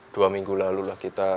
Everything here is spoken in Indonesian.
dua minggu lalu lah kita